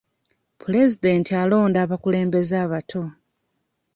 Pulezidenti alonda abakulembeze abato.